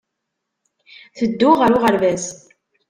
Tedduɣ ɣer uɣerbaz